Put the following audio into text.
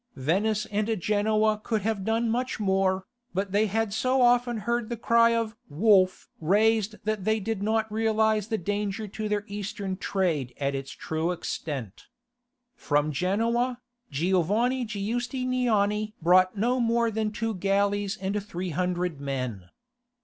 Venice and Genoa could have done much more, but they had so often heard the cry of "Wolf" raised that they did not realize the danger to their Eastern trade at its true extent. From Genoa, Giovanni Giustiniani brought no more than two galleys and three hundred men.